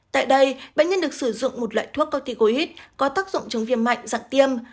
tại đây bệnh nhân được sử dụng một loại thuốc corticoid có tác dụng chống viêm mạnh dạng tiêm